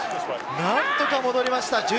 何とか戻りました。